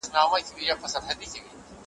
یو ناڅاپه یې زړه ډوب سو حال یې بل سو ,